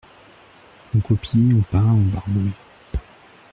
On copie, on peint, on barbouille.